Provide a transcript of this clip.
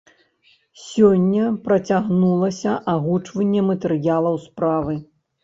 Сёння працягнулася агучванне матэрыялаў справы.